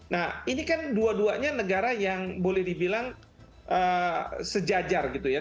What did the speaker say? nah ini kan dua duanya negara yang boleh dibilang sejajar gitu ya